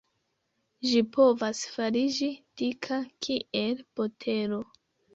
Ĝi povas fariĝi dika kiel botelo.